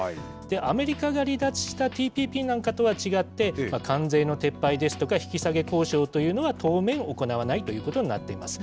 アメリカが離脱したＴＰＰなんかとは違って、関税の撤廃ですとか、引き下げ交渉などは、当面行わないということになっています。